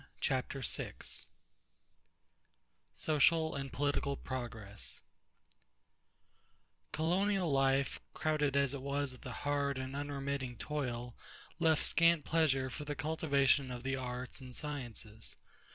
Chapter III SOCIAL AND POLITICAL PROGRESS Colonial life, crowded as it was with hard and unremitting toil, left scant leisure for the cultivation of the arts and sciences.